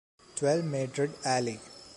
Twelve Madrid Alley.